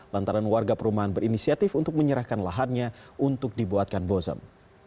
lantaran warga perumahan berinisiatif untuk menyerahkan lahannya untuk dibuatkan bozem